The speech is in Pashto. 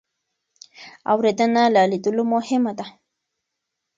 اورېدنه له لیدلو مهمه ده.